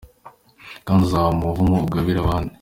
Kandi uzava mu buvumo ugabire abandi.